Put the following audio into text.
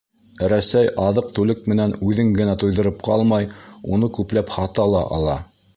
Рәсәй аҙыҡ-түлек менән үҙен генә туйҙырып ҡалмай, уны күпләп һата ла ала.